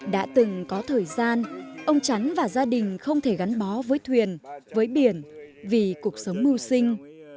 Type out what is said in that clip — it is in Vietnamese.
đã từng có thời gian ông chắn và gia đình không thể gắn bó với thuyền với biển vì cuộc sống mưu sinh